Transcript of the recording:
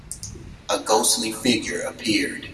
A ghostly figure appeared.